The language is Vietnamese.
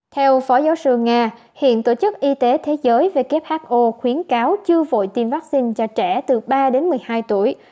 theo phó giáo sư nga hiện tổ chức y tế thế giới who khuyến cáo chưa vội tiêm vaccine cho trẻ từ ba đến một mươi hai tuổi